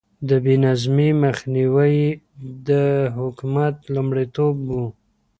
د بې نظمي مخنيوی يې د حکومت لومړيتوب و.